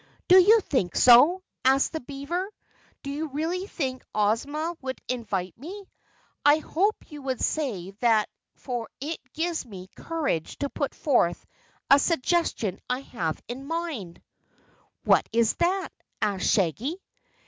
"Do you think so?" asked the beaver. "Do you really think Ozma would invite me? I hoped you would say that for it gives me courage to put forth a suggestion I have in mind." "What is that?" asked Shaggy.